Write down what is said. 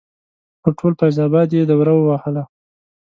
پر ټول فیض اباد یې دوره ووهله.